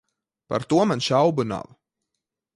Par to man šaubu nav.